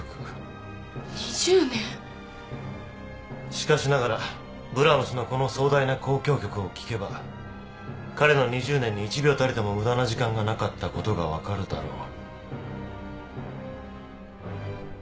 「しかしながらブラームスのこの壮大な『交響曲』を聴けば彼の２０年に１秒たりとも無駄な時間がなかったことが分かるだろう」